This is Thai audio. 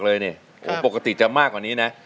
เพลงที่๑มูลค่า๑๐๐๐๐บาท